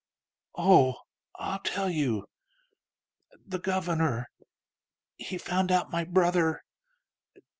"Oh, ... I'll tell you: The governor ... he found out my brother